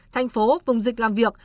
thành phố vùng dịch làm việc